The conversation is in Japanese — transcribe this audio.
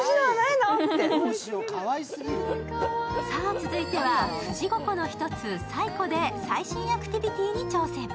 続いては富士五湖の１つ西湖で最新アクティビティーに挑戦。